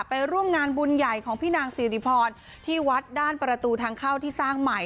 ไปร่วมงานบุญใหญ่ของพี่นางสิริพรที่วัดด้านประตูทางเข้าที่สร้างใหม่